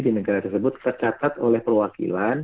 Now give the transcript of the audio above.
di negara tersebut tercatat oleh perwakilan